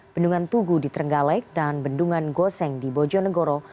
bendungan tugu di trenggalek dan bendungan goseng di bojonegoro